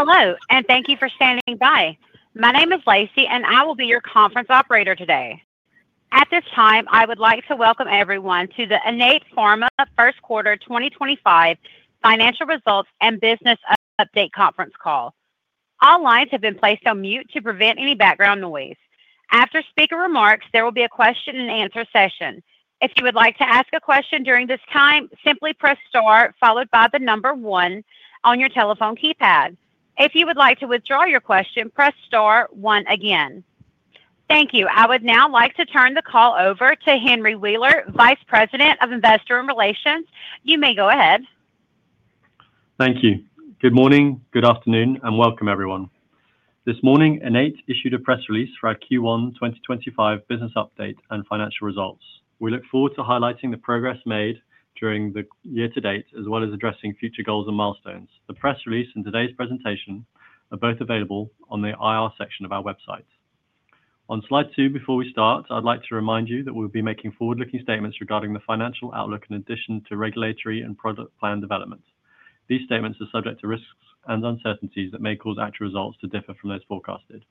Hello, and thank you for standing by. My name is Lacey, and I will be your conference operator today. At this time, I would like to welcome everyone to the Innate Pharma First Quarter 2025 Financial Results and Business Update Conference Call. All lines have been placed on mute to prevent any background noise. After speaker remarks, there will be a question-and-answer session. If you would like to ask a question during this time, simply press star, followed by the number one on your telephone keypad. If you would like to withdraw your question, press star one again. Thank you. I would now like to turn the call over to Henry Wheeler, Vice President of Investor Relations. You may go ahead. Thank you. Good morning, good afternoon, and welcome, everyone. This morning, Innate issued a press release for our Q1 2025 Business Update and Financial Results. We look forward to highlighting the progress made during the year to date, as well as addressing future goals and milestones. The press release and today's presentation are both available on the IR section of our website. On slide two, before we start, I'd like to remind you that we'll be making forward-looking statements regarding the financial outlook in addition to regulatory and product plan development. These statements are subject to risks and uncertainties that may cause actual results to differ from those forecasted.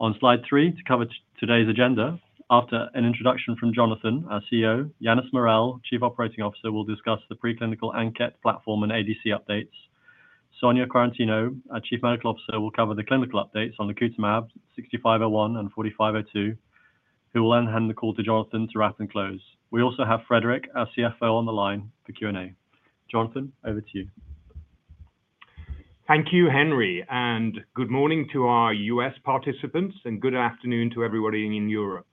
On slide three, to cover today's agenda, after an introduction from Jonathan, our CEO, Yannis Morel, Chief Operating Officer, will discuss the pre-clinical ANKET platform and ADC updates. Sonia Quaratino, our Chief Medical Officer, will cover the clinical updates on the lacutamab, 6501, and 4502, who will then hand the call to Jonathan to wrap and close. We also have Frédéric, our CFO, on the line for Q&A. Jonathan, over to you. Thank you, Henry, and good morning to our U.S. participants, and good afternoon to everybody in Europe.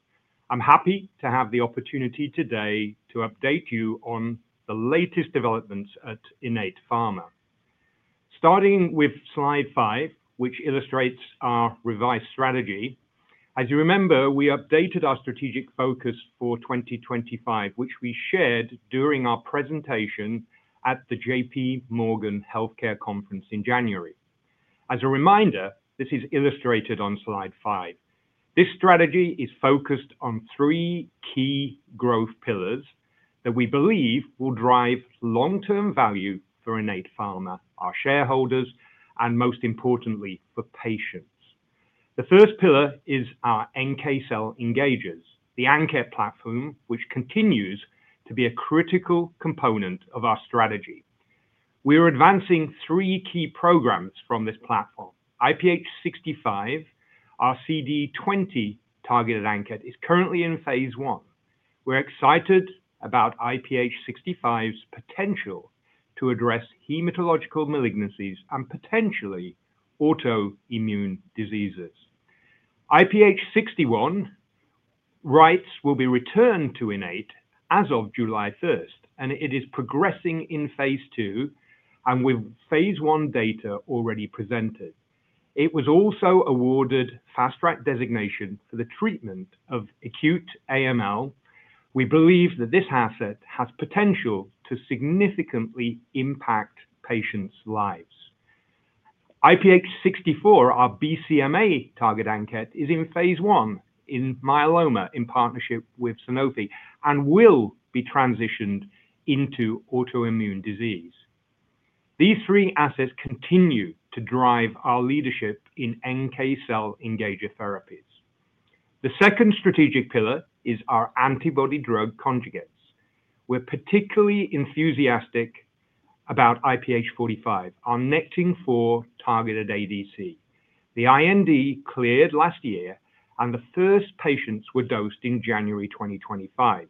I'm happy to have the opportunity today to update you on the latest developments at Innate Pharma. Starting with slide five, which illustrates our revised strategy. As you remember, we updated our strategic focus for 2025, which we shared during our presentation at the J.P. Morgan Healthcare Conference in January. As a reminder, this is illustrated on slide five. This strategy is focused on three key growth pillars that we believe will drive long-term value for Innate Pharma, our shareholders, and most importantly, for patients. The first pillar is our NK cell engagers, the ANKET platform, which continues to be a critical component of our strategy. We are advancing three key programs from this platform. IPH6501, our CD20 targeted ANKET, is currently in phase one. We're excited about IPH65's potential to address hematological malignancies and potentially autoimmune diseases. IPH61 rights will be returned to Innate as of July 1, and it is progressing in phase II, and with phase I data already presented. It was also awarded Fast Track designation for the treatment of acute AML. We believe that this asset has potential to significantly impact patients' lives. IPH64, our BCMA target ANKET, is in phase one in myeloma in partnership with Sanofi and will be transitioned into autoimmune disease. These three assets continue to drive our leadership in NK cell engager therapies. The second strategic pillar is our antibody-drug conjugates. We're particularly enthusiastic about IPH45, our Nectin-4 targeted ADC. The IND cleared last year, and the first patients were dosed in January 2025.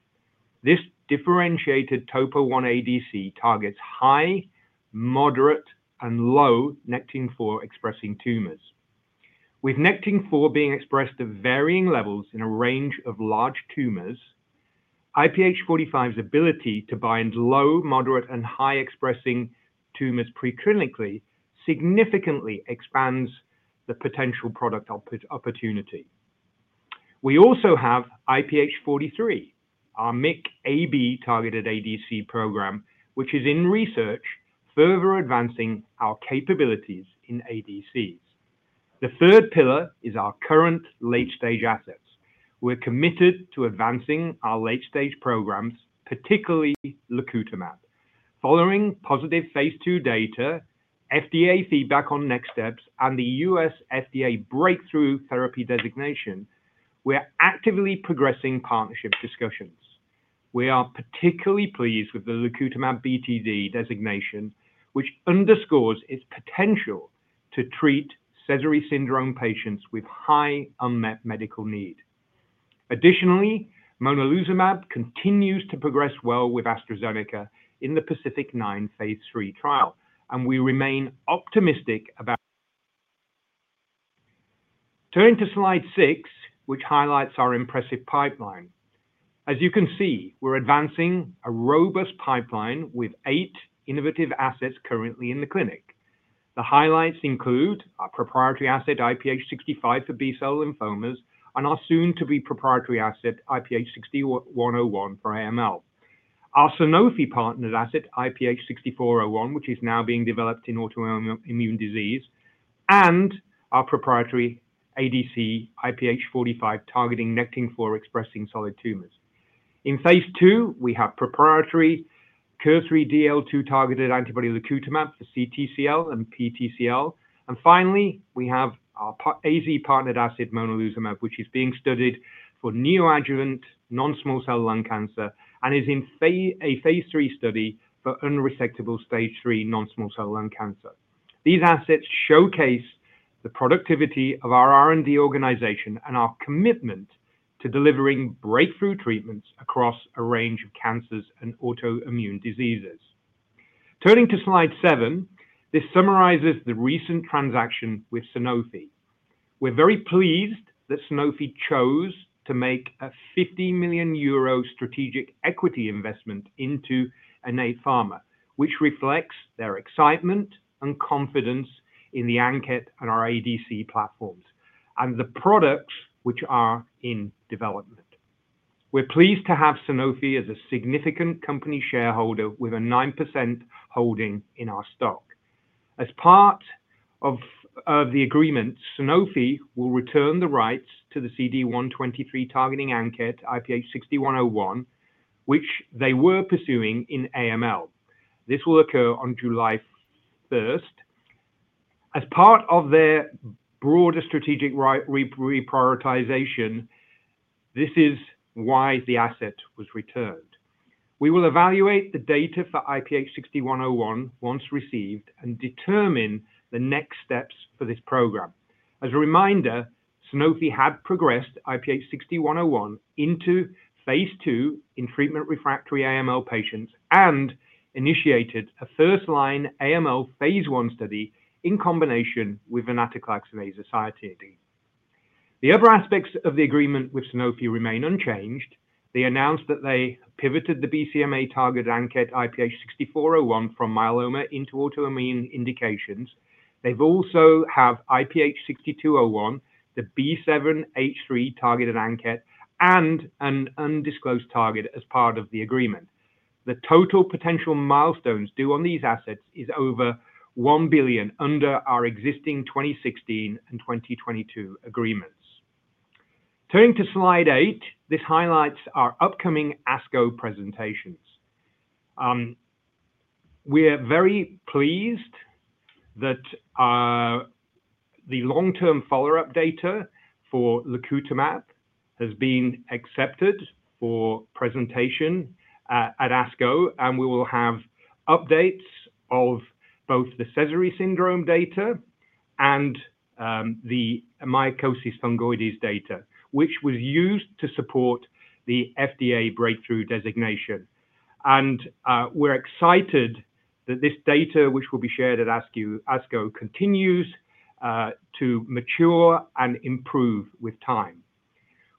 This differentiated topo-1 ADC targets high, moderate, and low Nectin-4 expressing tumors. With Nectin-4 being expressed at varying levels in a range of large tumors, IPH45's ability to bind low, moderate, and high-expressing tumors pre-clinically significantly expands the potential product opportunity. We also have IPH43, our MIC-A/B targeted ADC program, which is in research, further advancing our capabilities in ADCs. The third pillar is our current late-stage assets. We're committed to advancing our late-stage programs, particularly lacutamab. Following positive phase two data, FDA feedback on next steps, and the U.S. FDA breakthrough therapy designation, we're actively progressing partnership discussions. We are particularly pleased with the lacutamab BTD designation, which underscores its potential to treat Sézary syndrome patients with high unmet medical need. Additionally, Monalizumab continues to progress well with AstraZeneca in the Pacific-9 phase III trial, and we remain optimistic about. Turning to slide six, which highlights our impressive pipeline. As you can see, we're advancing a robust pipeline with eight innovative assets currently in the clinic. The highlights include our proprietary asset IPH65 for B-cell lymphomas and our soon-to-be proprietary asset IPH6101 for AML. Our Sanofi-partnered asset IPH6401, which is now being developed in autoimmune disease, and our proprietary ADC IPH45 targeting Nectin-4 expressing solid tumors. In phase II, we have proprietary CD3DL2 targeted antibody lacutamab for CTCL and PTCL. Finally, we have our AZ-partnered asset Monalizumab, which is being studied for neoadjuvant non-small cell lung cancer and is in a phase III study for unresectable stage three non-small cell lung cancer. These assets showcase the productivity of our R&D organization and our commitment to delivering breakthrough treatments across a range of cancers and autoimmune diseases. Turning to slide seven, this summarizes the recent transaction with Sanofi. We're very pleased that Sanofi chose to make a 50 million euro strategic equity investment into Innate Pharma, which reflects their excitement and confidence in the ANKET and our ADC platforms and the products which are in development. We're pleased to have Sanofi as a significant company shareholder with a 9% holding in our stock. As part of the agreement, Sanofi will return the rights to the CD123 targeting ANKET IPH6101, which they were pursuing in AML. This will occur on July 1st. As part of their broader strategic reprioritization, this is why the asset was returned. We will evaluate the data for IPH6101 once received and determine the next steps for this program. As a reminder, Sanofi had progressed IPH6101 into phase II in treatment refractory AML patients and initiated a first-line AML phase I study in combination with an azacitidine and venetoclax regimen. The other aspects of the agreement with Sanofi remain unchanged. They announced that they pivoted the BCMA targeted ANKET IPH6401 from myeloma into autoimmune indications. They also have IPH6201, the B7-H3 targeted ANKET, and an undisclosed target as part of the agreement. The total potential milestones due on these assets is over 1 billion under our existing 2016 and 2022 agreements. Turning to slide eight, this highlights our upcoming ASCO presentations. We're very pleased that the long-term follow-up data for lacutamab has been accepted for presentation at ASCO, and we will have updates of both the Sézary syndrome data and the mycosis fungoides data, which was used to support the FDA breakthrough designation. We're excited that this data, which will be shared at ASCO, continues to mature and improve with time.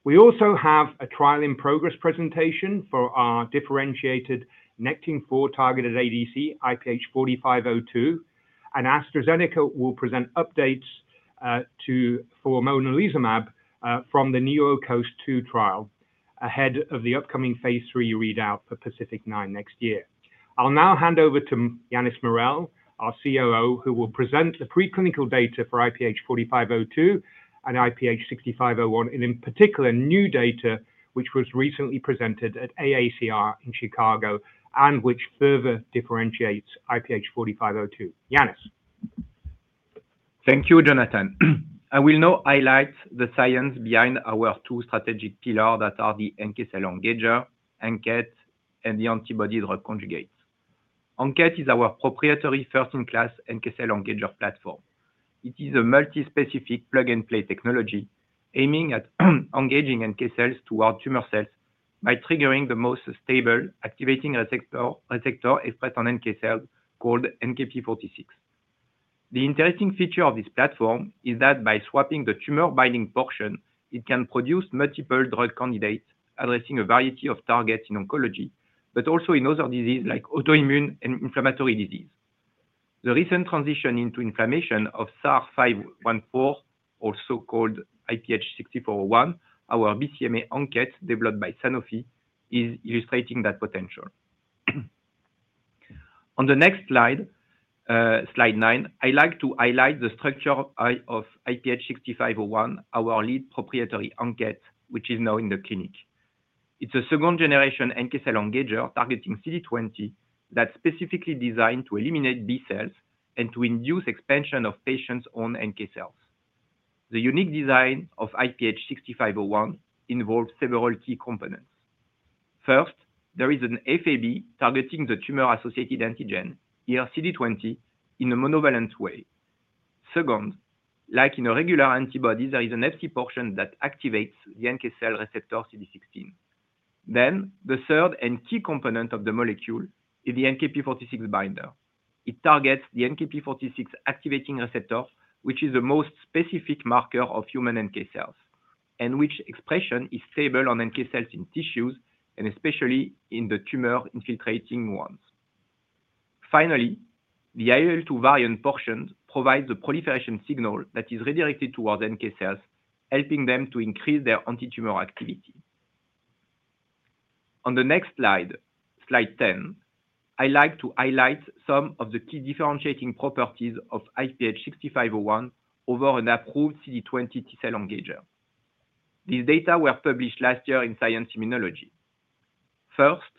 We also have a trial-in-progress presentation for our differentiated Nectin-4 targeted ADC IPH4502, and AstraZeneca will present updates for Monalizumab from the NeoCOAST-2 trial ahead of the upcoming phase III readout for Pacific-9 next year. I'll now hand over to Yannis Morel, our COO, who will present the pre-clinical data for IPH4502 and IPH6501, and in particular, new data which was recently presented at AACR in Chicago and which further differentiates IPH4502. Yannis. Thank you, Jonathan. I will now highlight the science behind our two strategic pillars that are the NK cell engager ANKET and the antibody-drug conjugates. ANKET is our proprietary first-in-class NK cell engager platform. It is a multi-specific plug-and-play technology aiming at engaging NK cells toward tumor cells by triggering the most stable activating receptor expressed on NK cells called NKp46. The interesting feature of this platform is that by swapping the tumor-binding portion, it can produce multiple drug candidates addressing a variety of targets in oncology, but also in other diseases like autoimmune and inflammatory disease. The recent transition into inflammation of SAR'514, also called IPH6401, our BCMA ANKET developed by Sanofi, is illustrating that potential. On the next slide, slide nine, I'd like to highlight the structure of IPH6501, our lead proprietary ANKET, which is now in the clinic. It's a second-generation NK cell engager targeting CD20 that's specifically designed to eliminate B cells and to induce expansion of patients' own NK cells. The unique design of IPH6501 involves several key components. First, there is an Fab targeting the tumor-associated antigen, here CD20, in a monovalent way. Second, like in a regular antibody, there is an Fc portion that activates the NK cell receptor CD16. The third and key component of the molecule is the NKp46 binder. It targets the NKp46 activating receptor, which is the most specific marker of human NK cells and which expression is stable on NK cells in tissues and especially in the tumor-infiltrating ones. Finally, the IL-2 variant portion provides the proliferation signal that is redirected towards NK cells, helping them to increase their anti-tumor activity. On the next slide, slide 10, I'd like to highlight some of the key differentiating properties of IPH6501 over an approved CD20 T-cell engager. These data were published last year in Science Immunology. First,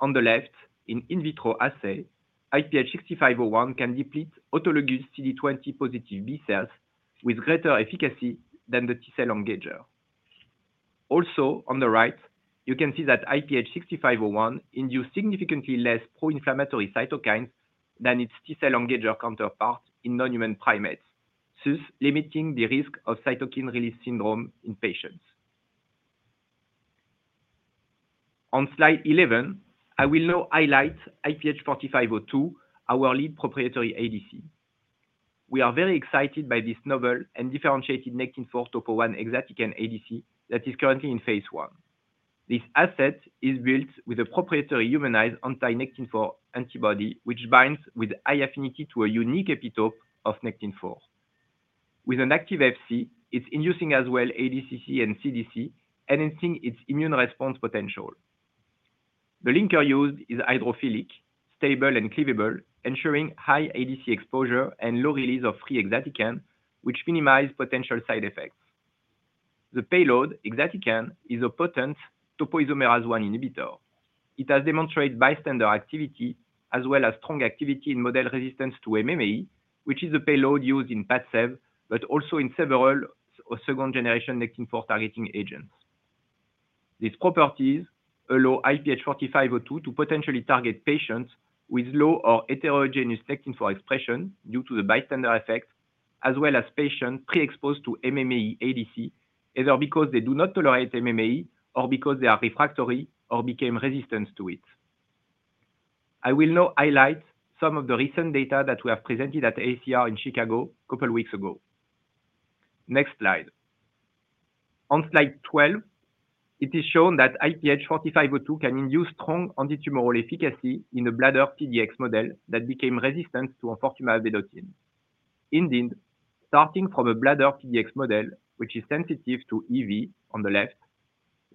on the left, in in vitro assay, IPH6501 can deplete autologous CD20-positive B cells with greater efficacy than the T-cell engager. Also, on the right, you can see that IPH6501 induces significantly less pro-inflammatory cytokines than its T-cell engager counterpart in non-human primates, thus limiting the risk of cytokine release syndrome in patients. On slide 11, I will now highlight IPH4502, our lead proprietary ADC. We are very excited by this novel and differentiated Nectin-4 topo-1 exatecan ADC that is currently in phase one. This asset is built with a proprietary humanized anti-Nectin-4 antibody, which binds with high affinity to a unique epitope of Nectin-4. With an active Fc, it's inducing as well ADCC and CDC, enhancing its immune response potential. The linker used is hydrophilic, stable, and cleavable, ensuring high ADC exposure and low release of free exatecan, which minimizes potential side effects. The payload exatecan is a potent Topoisomerase I inhibitor. It has demonstrated bystander activity as well as strong activity in model resistance to MMAE, which is the payload used in Padcev, but also in several second-generation Nectin-4 targeting agents. These properties allow IPH4502 to potentially target patients with low or heterogeneous Nectin-4 expression due to the bystander effect, as well as patients pre-exposed to MMAE ADC, either because they do not tolerate MMAE or because they are refractory or became resistant to it. I will now highlight some of the recent data that we have presented at AACR in Chicago a couple of weeks ago. Next slide. On slide 12, it is shown that IPH4502 can induce strong anti-tumoral efficacy in a bladder PDX model that became resistant to enfortumab vedotin. Indeed, starting from a bladder PDX model, which is sensitive to EV on the left,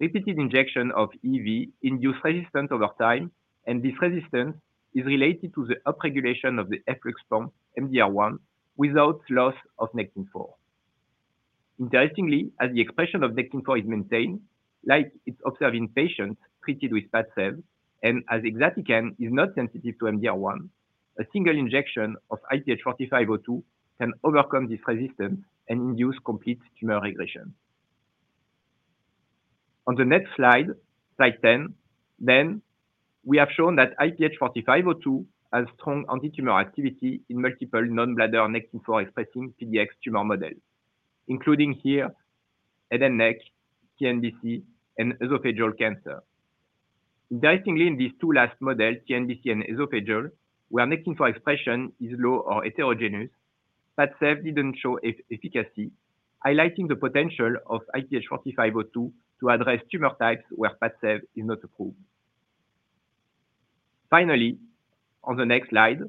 repeated injection of EV induces resistance over time, and this resistance is related to the upregulation of the efflux pump MDR1 without loss of Nectin-4. Interestingly, as the expression of Nectin-4 is maintained, like it's observed in patients treated with Padcev, and as exatecan is not sensitive to MDR1, a single injection of IPH4502 can overcome this resistance and induce complete tumor regression. On the next slide, slide 10, we have shown that IPH4502 has strong anti-tumor activity in multiple non-bladder Nectin-4 expressing PDX tumor models, including here head and neck, TNBC, and esophageal cancer. Interestingly, in these two last models, TNBC and esophageal, where Nectin-4 expression is low or heterogeneous, Padcev did not show efficacy, highlighting the potential of IPH4502 to address tumor types where Padcev is not approved. Finally, on the next slide,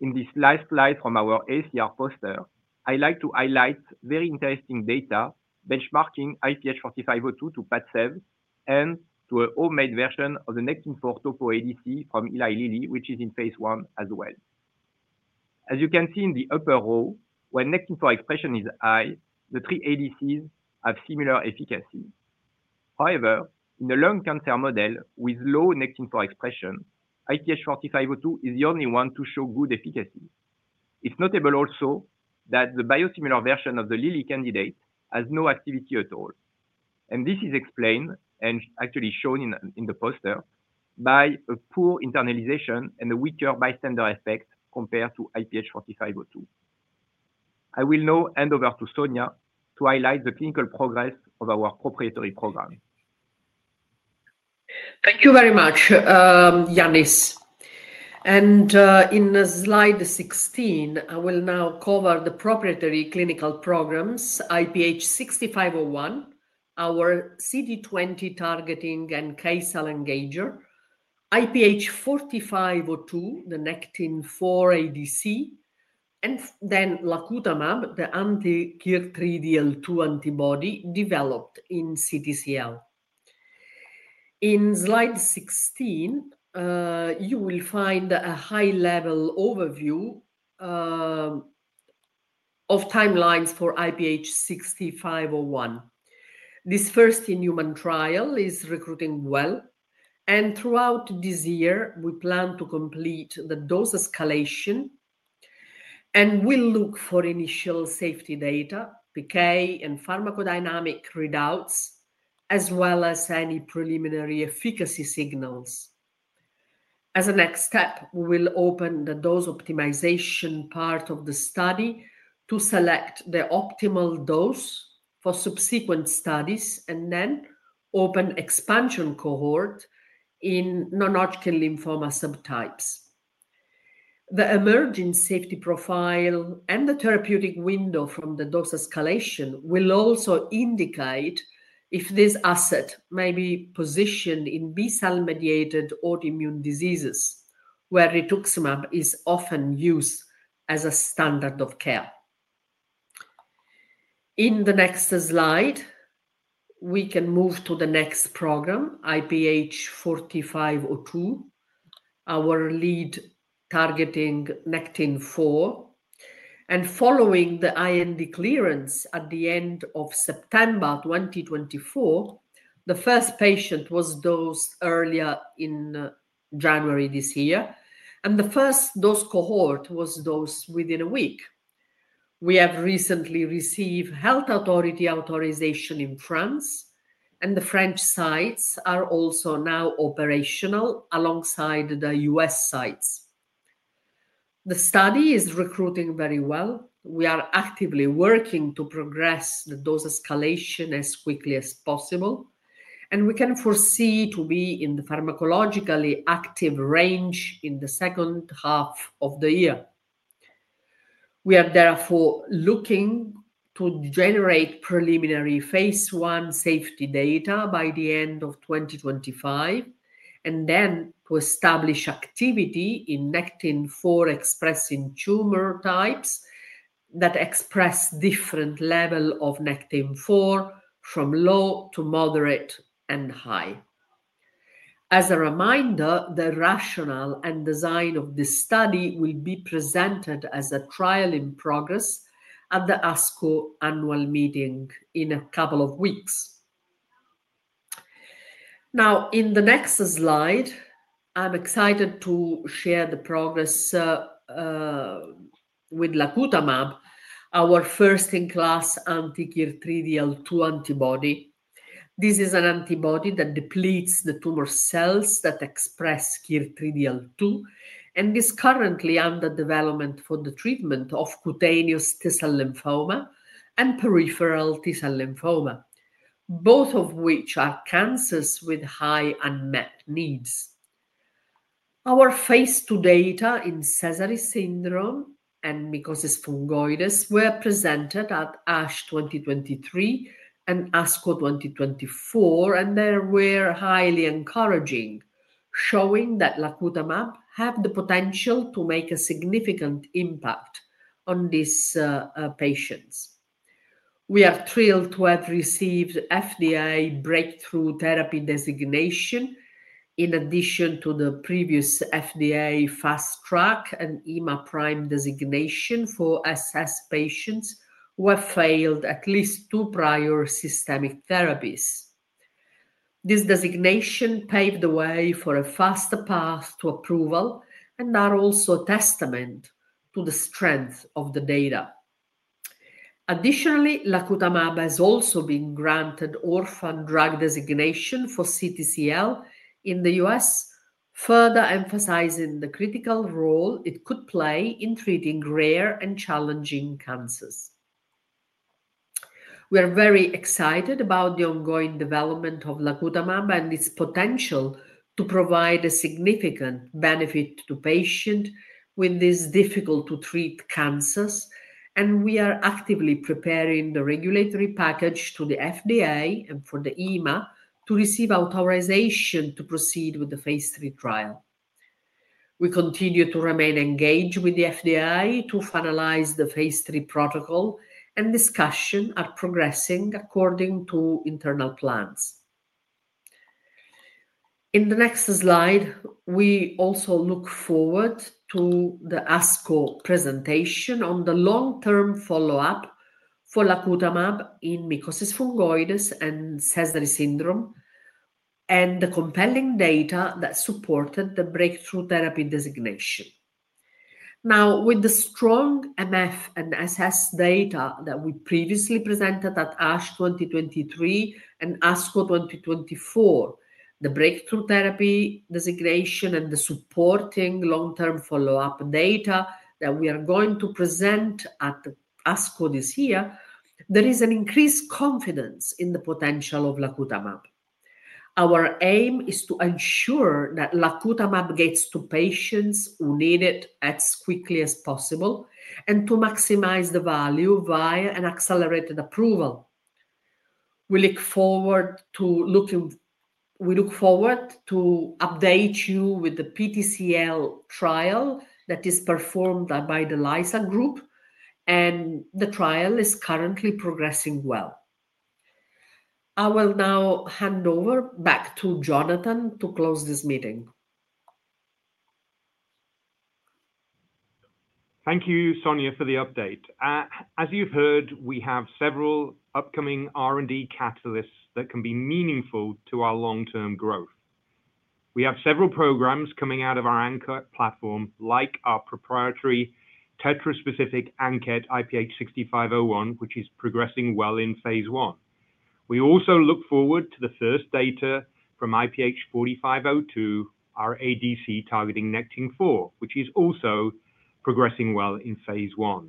in this last slide from our AACR poster, I'd like to highlight very interesting data benchmarking IPH4502 to Padcev and to a homemade version of the Nectin-4 topo ADC from Eli Lilly, which is in phase one as well. As you can see in the upper row, when Nectin-4 expression is high, the three ADCs have similar efficacy. However, in the lung cancer model with low Nectin-4 expression, IPH4502 is the only one to show good efficacy. It's notable also that the biosimilar version of the Lilly candidate has no activity at all. This is explained and actually shown in the poster by a poor internalization and a weaker bystander effect compared to IPH4502. I will now hand over to Sonia to highlight the clinical progress of our proprietary program. Thank you very much, Yannis. In slide 16, I will now cover the proprietary clinical programs, IPH6501, our CD20 targeting NK cell engager, IPH4502, the Nectin-4 ADC, and then lacutamab, the anti-CD3DL2 antibody developed in CTCL. In slide 16, you will find a high-level overview of timelines for IPH6501. This first-in-human trial is recruiting well, and throughout this year, we plan to complete the dose escalation and will look for initial safety data, PK, and pharmacodynamic readouts, as well as any preliminary efficacy signals. As a next step, we will open the dose optimization part of the study to select the optimal dose for subsequent studies and then open expansion cohort in non-Hodgkin lymphoma subtypes. The emerging safety profile and the therapeutic window from the dose escalation will also indicate if this asset may be positioned in B cell mediated autoimmune diseases, where rituximab is often used as a standard of care. In the next slide, we can move to the next program, IPH4502, our lead targeting Nectin-4. Following the IND clearance at the end of September 2024, the first patient was dosed earlier in January this year, and the first dose cohort was dosed within a week. We have recently received health authority authorization in France, and the French sites are also now operational alongside the U.S. sites. The study is recruiting very well. We are actively working to progress the dose escalation as quickly as possible, and we can foresee to be in the pharmacologically active range in the second half of the year. We are therefore looking to generate preliminary phase I safety data by the end of 2025 and then to establish activity in Nectin-4 expressing tumor types that express different levels of Nectin-4 from low to moderate and high. As a reminder, the rationale and design of this study will be presented as a trial in progress at the ASCO annual meeting in a couple of weeks. Now, in the next slide, I'm excited to share the progress with lacutamab, our first-in-class anti-CD3DL2 antibody. This is an antibody that depletes the tumor cells that express CD3DL2, and it's currently under development for the treatment of cutaneous T-cell lymphoma and peripheral T-cell lymphoma, both of which are cancers with high unmet needs. Our phase II data in Sézary syndrome and mycosis fungoides were presented at ASH 2023 and ASCO 2024, and they were highly encouraging, showing that lacutamab has the potential to make a significant impact on these patients. We are thrilled to have received FDA breakthrough therapy designation in addition to the previous FDA fast track and EMA PRIME designation for SS patients who have failed at least two prior systemic therapies. This designation paved the way for a faster path to approval and is also a testament to the strength of the data. Additionally, lacutamab has also been granted orphan drug designation for CTCL in the U.S., further emphasizing the critical role it could play in treating rare and challenging cancers. We are very excited about the ongoing development of lacutamab and its potential to provide a significant benefit to patients with these difficult-to-treat cancers, and we are actively preparing the regulatory package to the FDA and for the EMA to receive authorization to proceed with the phase III trial. We continue to remain engaged with the FDA to finalize the phase III protocol, and discussions are progressing according to internal plans. In the next slide, we also look forward to the ASCO presentation on the long-term follow-up for lacutamab in mycosis fungoides and Sézary syndrome and the compelling data that supported the breakthrough therapy designation. Now, with the strong MF and SS data that we previously presented at ASH 2023 and ASCO 2024, the breakthrough therapy designation and the supporting long-term follow-up data that we are going to present at ASCO this year, there is an increased confidence in the potential of lacutamab. Our aim is to ensure that lacutamab gets to patients who need it as quickly as possible and to maximize the value via an accelerated approval. We look forward to updating you with the PTCL trial that is performed by the LISA group, and the trial is currently progressing well. I will now hand over back to Jonathan to close this meeting. Thank you, Sonia, for the update. As you've heard, we have several upcoming R&D catalysts that can be meaningful to our long-term growth. We have several programs coming out of our ANKET platform, like our proprietary tetraspecific ANKET IPH6501, which is progressing well in phase I. We also look forward to the first data from IPH4502, our ADC targeting Nectin-4, which is also progressing well in phase I.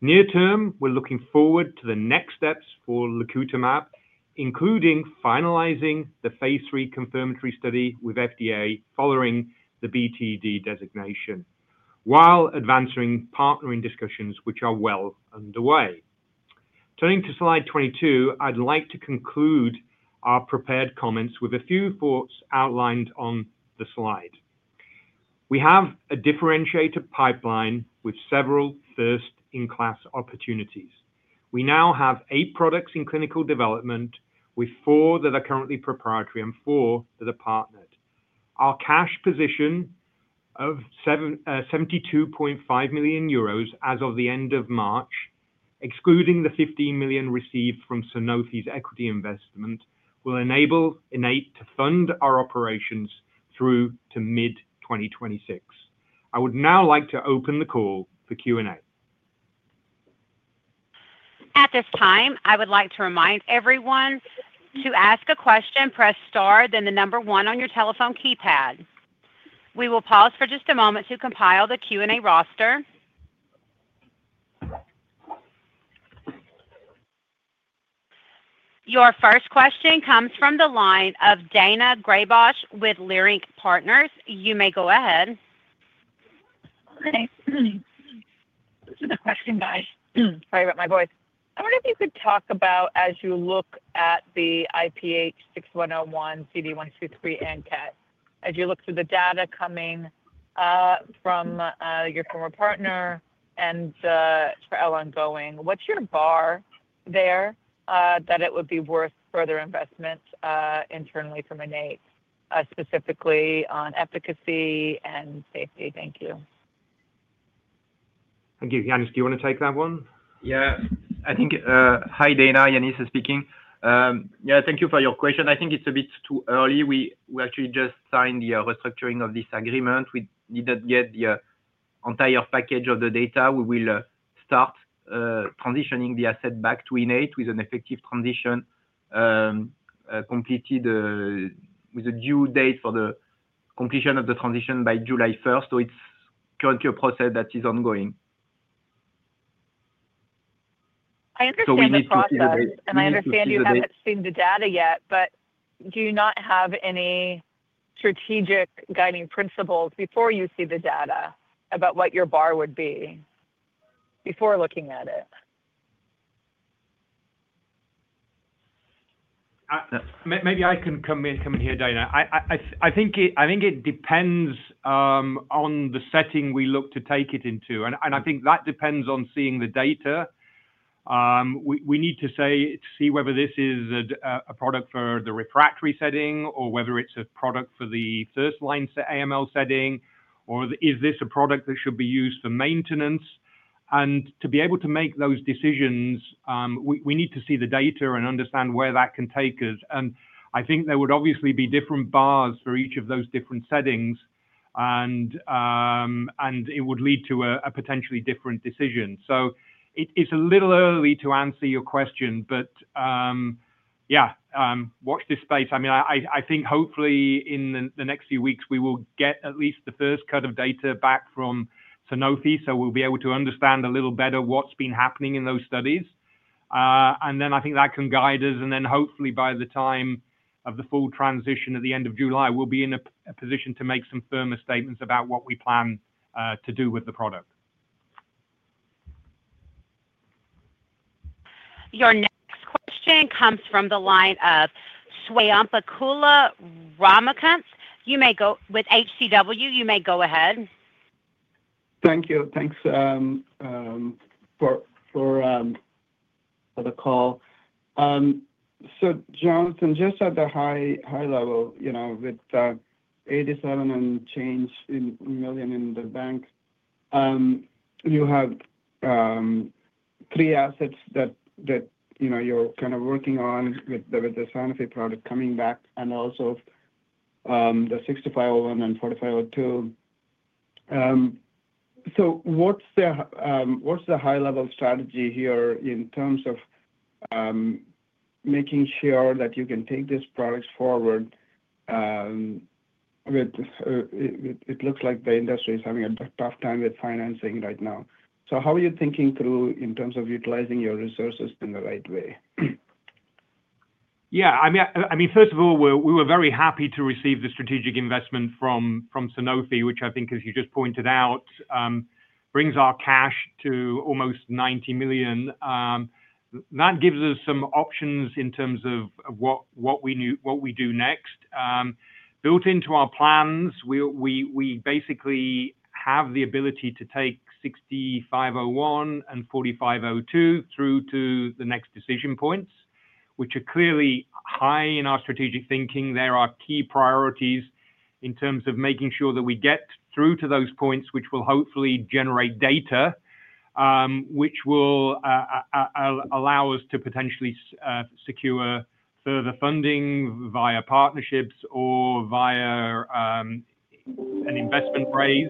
Near term, we're looking forward to the next steps for lacutamab, including finalizing the phase three confirmatory study with FDA following the BTD designation, while advancing partnering discussions, which are well underway. Turning to slide 22, I'd like to conclude our prepared comments with a few thoughts outlined on the slide. We have a differentiated pipeline with several first-in-class opportunities. We now have eight products in clinical development, with four that are currently proprietary and four that are partnered. Our cash position of 72.5 million euros as of the end of March, excluding the 15 million received from Sanofi's equity investment, will enable Innate to fund our operations through to mid-2026. I would now like to open the call for Q&A. At this time, I would like to remind everyone to ask a question, press star, then the number one on your telephone keypad. We will pause for just a moment to compile the Q&A roster. Your first question comes from the line of Daina Graybosch with Leerink Partners. You may go ahead. Hi. This is a question guide. Sorry about my voice. I wonder if you could talk about, as you look at the IPH6101, CD123, ANKET, as you look through the data coming from your former partner and how long going, what's your bar there that it would be worth further investment internally from Innate, specifically on efficacy and safety? Thank you. Thank you. Yannis, do you want to take that one? Yeah. I think, hi, Daina. Yannis is speaking. Yeah, thank you for your question. I think it's a bit too early. We actually just signed the restructuring of this agreement. We didn't get the entire package of the data. We will start transitioning the asset back to Innate with an effective transition completed with a due date for the completion of the transition by July 1. It is currently a process that is ongoing. I understand you're talking about, and I understand you haven't seen the data yet, but do you not have any strategic guiding principles before you see the data about what your bar would be before looking at it? Maybe I can come in here, Daina. I think it depends on the setting we look to take it into. I think that depends on seeing the data. We need to see whether this is a product for the refractory setting or whether it's a product for the first-line AML setting, or is this a product that should be used for maintenance? To be able to make those decisions, we need to see the data and understand where that can take us. I think there would obviously be different bars for each of those different settings, and it would lead to a potentially different decision. It's a little early to answer your question, but yeah, watch this space. I mean, I think hopefully in the next few weeks, we will get at least the first cut of data back from Sanofi, so we'll be able to understand a little better what's been happening in those studies. I think that can guide us. Hopefully by the time of the full transition at the end of July, we'll be in a position to make some firmer statements about what we plan to do with the product. Your next question comes from the line of Swayampakula Ramakanth. You may go ahead with HCW. You may go ahead. Thank you. Thanks for the call. Jonathan, just at the high level, with 87 million and change in the bank, you have three assets that you're kind of working on with the Sanofi product coming back and also the 6501 and 4502. What's the high-level strategy here in terms of making sure that you can take these products forward? It looks like the industry is having a tough time with financing right now. How are you thinking through in terms of utilizing your resources in the right way? Yeah. I mean, first of all, we were very happy to receive the strategic investment from Sanofi, which I think, as you just pointed out, brings our cash to almost 90 million. That gives us some options in terms of what we do next. Built into our plans, we basically have the ability to take 6501 and 4502 through to the next decision points, which are clearly high in our strategic thinking. They're our key priorities in terms of making sure that we get through to those points, which will hopefully generate data, which will allow us to potentially secure further funding via partnerships or via an investment raise.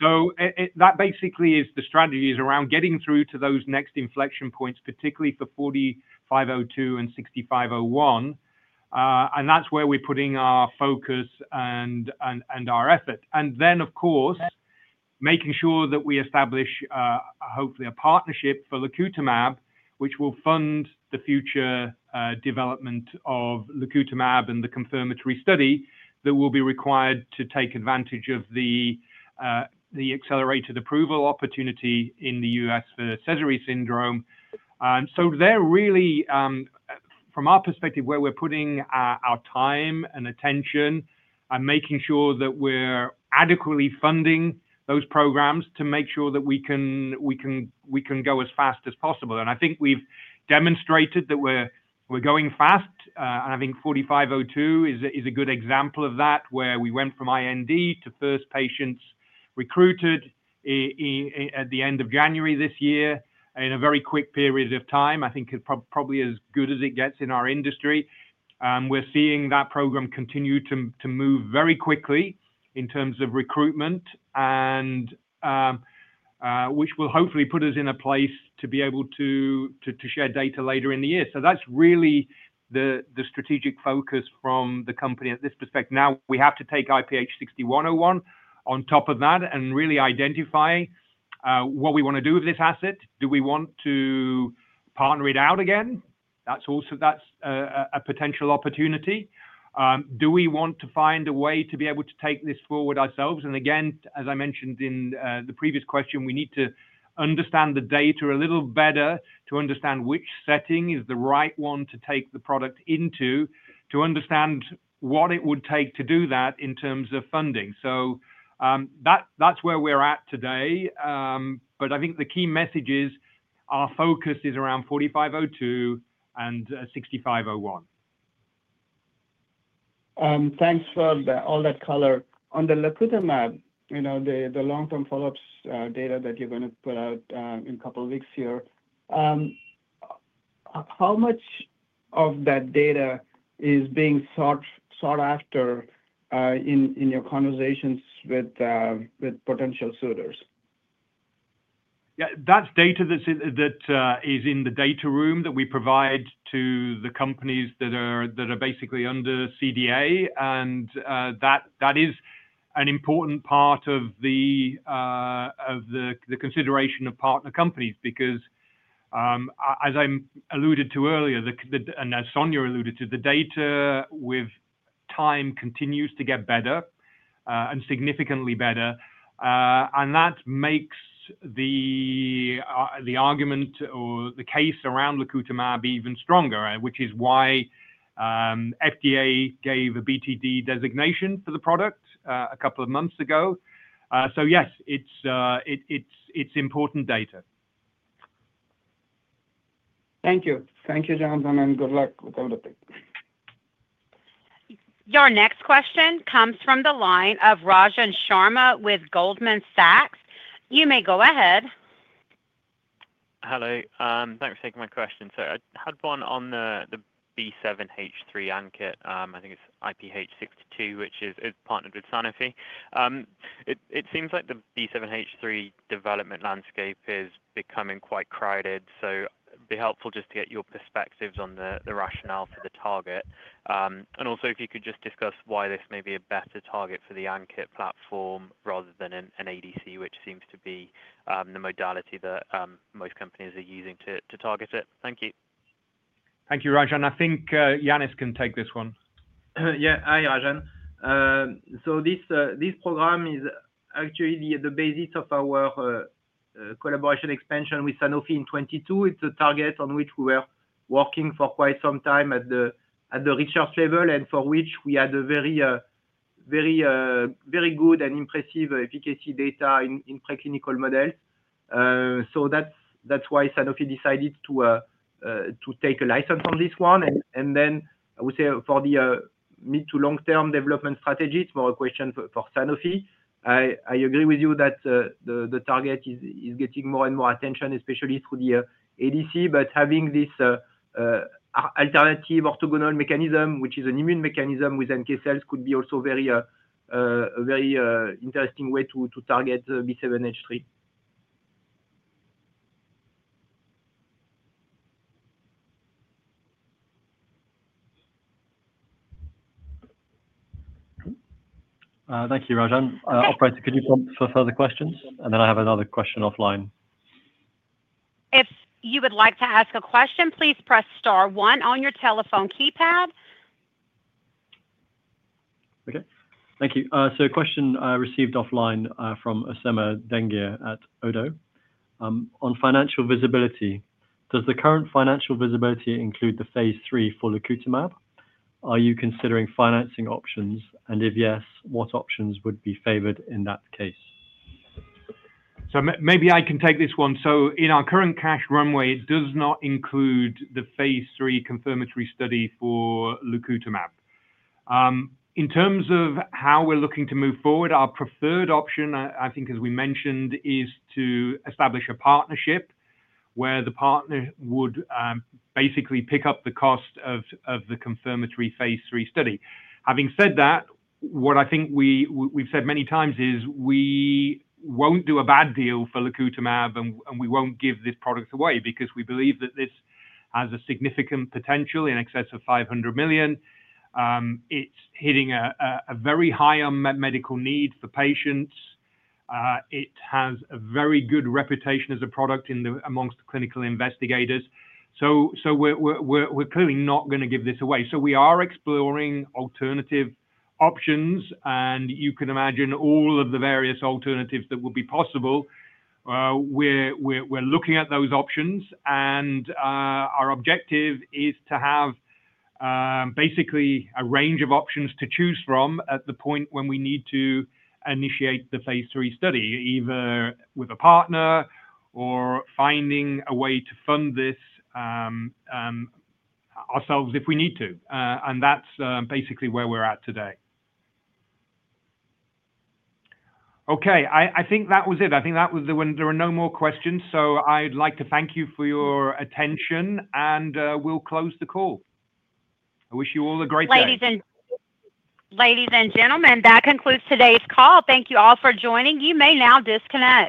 That basically is the strategy is around getting through to those next inflection points, particularly for 4502 and 6501. That's where we're putting our focus and our effort. Of course, making sure that we establish hopefully a partnership for lacutamab, which will fund the future development of lacutamab and the confirmatory study that will be required to take advantage of the accelerated approval opportunity in the U.S. for Sézary syndrome. They are really, from our perspective, where we're putting our time and attention and making sure that we're adequately funding those programs to make sure that we can go as fast as possible. I think we've demonstrated that we're going fast. I think 4502 is a good example of that, where we went from IND to first patients recruited at the end of January this year in a very quick period of time, which I think is probably as good as it gets in our industry. We're seeing that program continue to move very quickly in terms of recruitment, which will hopefully put us in a place to be able to share data later in the year. That is really the strategic focus from the company at this perspective. Now, we have to take IPH6101 on top of that and really identify what we want to do with this asset. Do we want to partner it out again? That is also a potential opportunity. Do we want to find a way to be able to take this forward ourselves? Again, as I mentioned in the previous question, we need to understand the data a little better to understand which setting is the right one to take the product into, to understand what it would take to do that in terms of funding. That is where we're at today. I think the key message is our focus is around 4502 and 6501. Thanks for all that color. On the lacutamab, the long-term follow-ups data that you're going to put out in a couple of weeks here, how much of that data is being sought after in your conversations with potential suitors? Yeah, that's data that is in the data room that we provide to the companies that are basically under CDA. That is an important part of the consideration of partner companies because, as I alluded to earlier, and as Sonia alluded to, the data with time continues to get better and significantly better. That makes the argument or the case around lacutamab even stronger, which is why FDA gave a BTD designation for the product a couple of months ago. Yes, it's important data. Thank you. Thank you, Jonathan, and good luck. Your next question comes from the line of Rajan Sharma with Goldman Sachs. You may go ahead. Hello. Thanks for taking my question. I had one on the B7-H3 ANKET. I think it's IPH6201, which is partnered with Sanofi. It seems like the B7-H3 development landscape is becoming quite crowded. It'd be helpful just to get your perspectives on the rationale for the target. Also, if you could just discuss why this may be a better target for the ANKET platform rather than an ADC, which seems to be the modality that most companies are using to target it. Thank you. Thank you, Rajan. I think Yannis can take this one. Yeah. Hi, Rajan. This program is actually the basis of our collaboration expansion with Sanofi in 2022. It's a target on which we were working for quite some time at the research level and for which we had very good and impressive efficacy data in preclinical models. That is why Sanofi decided to take a license on this one. I would say for the mid-to-long-term development strategy, it's more a question for Sanofi. I agree with you that the target is getting more and more attention, especially through the ADC, but having this alternative orthogonal mechanism, which is an immune mechanism with NK cells, could be also a very interesting way to target B7-H3. Thank you, Rajan. Operator, could you prompt for further questions? I have another question offline. If you would like to ask a question, please press star one on your telephone keypad. Okay. Thank you. A question received offline from Osema Dengue at Odoo. On financial visibility, does the current financial visibility include the phase IIII for lacutamab? Are you considering financing options? If yes, what options would be favored in that case? Maybe I can take this one. In our current cash runway, it does not include the phase III confirmatory study for lacutamab. In terms of how we're looking to move forward, our preferred option, I think, as we mentioned, is to establish a partnership where the partner would basically pick up the cost of the confirmatory phase III study. Having said that, what I think we've said many times is we won't do a bad deal for lacutamab, and we won't give this product away because we believe that this has a significant potential in excess of 500 million. It's hitting a very high medical need for patients. It has a very good reputation as a product amongst clinical investigators. We are clearly not going to give this away. We are exploring alternative options. You can imagine all of the various alternatives that would be possible. We are looking at those options. Our objective is to have basically a range of options to choose from at the point when we need to initiate the phase III study, either with a partner or finding a way to fund this ourselves if we need to. That's basically where we're at today. Okay. I think that was it. I think that was the one. There are no more questions. I'd like to thank you for your attention, and we'll close the call. I wish you all a great day. Ladies and gentlemen, that concludes today's call. Thank you all for joining. You may now disconnect.